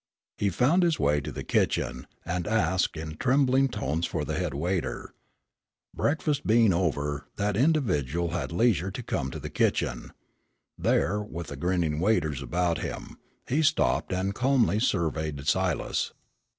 He found his way to the kitchen, and asked in trembling tones for the head waiter. Breakfast being over, that individual had leisure to come to the kitchen. There, with the grinning waiters about him, he stopped and calmly surveyed Silas.